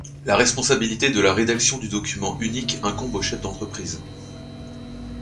La responsabilité de la rédaction du Document Unique incombe au chef d'entreprise.